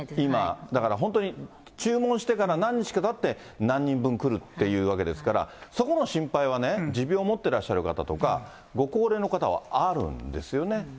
だから本当に、今、注文されてから何日かたって、何人分来るっていうわけですから。そこの心配はね、持病を持ってらっしゃる方ですとか、ご高齢の方は、あるんですよね。